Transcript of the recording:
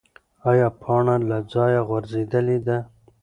ایا پاڼه له ځایه غورځېدلې ده؟